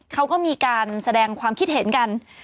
เขาก็มีการแสดงความคิดเห็นกัน